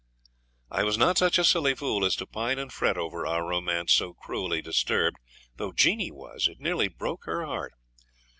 I was not such a silly fool as to pine and fret over our romance so cruelly disturbed, though Jeanie was; it nearly broke her heart.